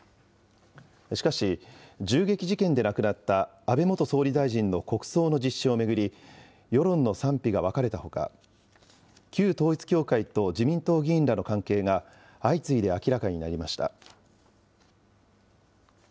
しかし、銃撃事件で亡くなった安倍元総理大臣の国葬の実施を巡り、世論の賛否が分かれたほか、旧統一教会と自民党議員らの関係が、相次いで明らかになりました。